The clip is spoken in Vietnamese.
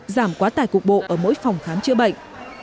giảm quá tải cục bộ ở mỗi phòng khám chữa bệnh